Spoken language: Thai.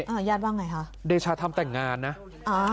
ญาติว่าไงคะเดชาทำแต่งงานนะอ่า